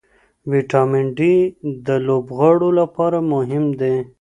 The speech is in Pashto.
ویټامن ډي د لوبغاړو لپاره مهم دی.